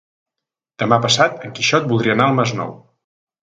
Demà passat en Quixot voldria anar al Masnou.